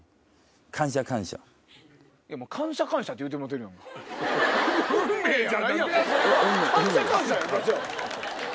「感謝感謝」って言ってもうてるやんか。